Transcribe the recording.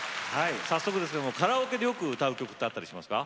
早速ですけどもカラオケでよく歌う曲ってあったりしますか。